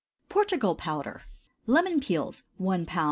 PORTUGAL POWDER. Lemon peels 1 lb.